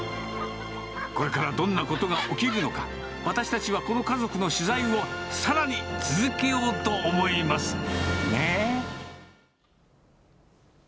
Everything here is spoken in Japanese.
これからどんなことが起きるのか、私たちはこの家族の取材をさらに続けようと思います。